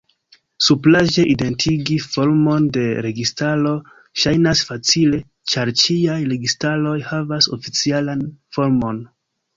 Supraĵe, identigi formon de registaro ŝajnas facile, ĉar ĉiaj registaroj havas oficialan formon.